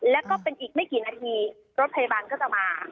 แล้วก็เป็นอีกไม่กี่นาทีรถพยาบาลก็จะมา